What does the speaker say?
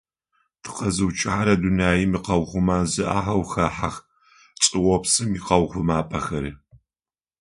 Тыкъэзыуцухьэрэ дунаим икъэухъумэн зы ӏахьэу хэхьэх чӏыопсым иухъумапӏэхэри.